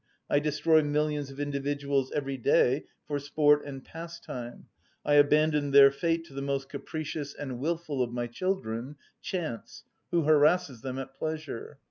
I destroy millions of individuals every day, for sport and pastime: I abandon their fate to the most capricious and wilful of my children, chance, who harasses them at pleasure.